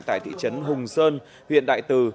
tại thị trấn hùng sơn huyện đại từ